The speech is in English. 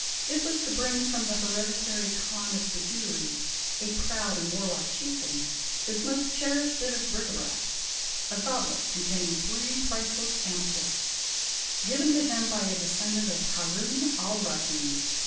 It was to bring from the Heredi tary Khan of Bijoutery, a proud and warlike chieftain, his most cherished bit of bric a brac, a goblet containing three priceless amethysts, given to him by a descendant of Haroun Alraschid.